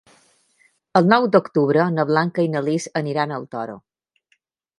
El nou d'octubre na Blanca i na Lis aniran al Toro.